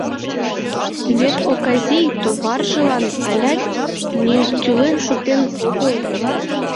Вет, оказий, товаржылан алят тӱлен шуктен огыл.